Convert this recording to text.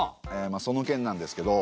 まあその件なんですけど。